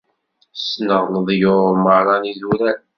Ssneɣ leḍyur merra n yidurar.